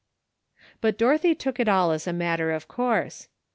But Dorothy took it all as a matter of course.